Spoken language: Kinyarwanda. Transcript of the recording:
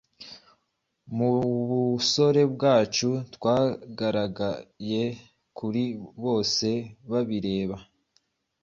Mubusore bwacu twagaragaye Kuri bose babireba